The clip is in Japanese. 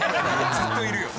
ずっといる。